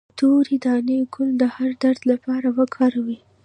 د تورې دانې ګل د هر درد لپاره وکاروئ